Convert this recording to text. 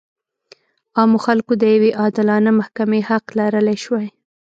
عامو خلکو د یوې عادلانه محکمې حق لرلی شوای.